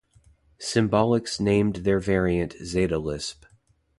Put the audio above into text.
Symbolics named their variant ZetaLisp.